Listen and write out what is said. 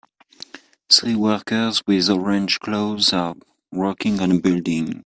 Three workers with orange clothes are working on a building.